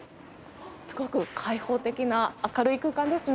すごく開放的な明るい空間ですね。